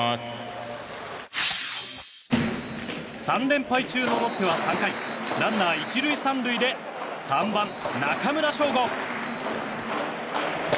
３連敗中のロッテは３回ランナー１塁３塁で３番、中村奨吾。